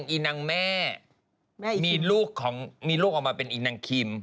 อีนางแม่มีลูกออกมาเป็นอีนางคิม